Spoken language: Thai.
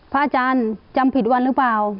พระอาจารย์จำผิดวันหรือเปล่า